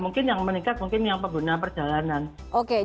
mungkin yang meningkat mungkin yang pengguna perjalanan